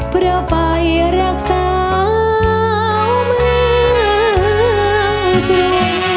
เพราะไปรักสาวเมืองตัว